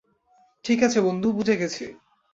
ঠিক আছে, বন্ধু, বুঝে গেছি।